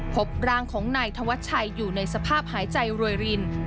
พบร่างของนายธวัชชัยอยู่ในสภาพหายใจรวยริน